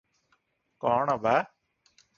କଣ ବା